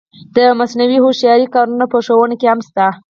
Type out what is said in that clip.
د مصنوعي هوښیارۍ کارونه په ښوونه کې هم شته.